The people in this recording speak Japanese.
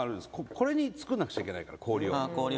これに作らなくちゃいけないから氷を。